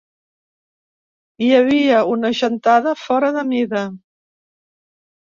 Hi havia una gentada fora mida.